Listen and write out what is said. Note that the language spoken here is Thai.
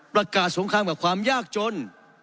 ประกาศสงครามกับความยากจน